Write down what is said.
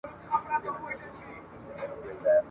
کله وعده کله انکار کله پلمه لګېږې !.